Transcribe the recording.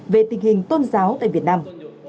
về tình hình tôn giáo tại việt nam